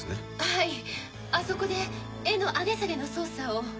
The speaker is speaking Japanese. はいあそこで絵の上げ下げの操作を。